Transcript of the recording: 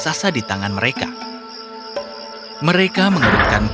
maka pangerannya menquérik kepada raksasa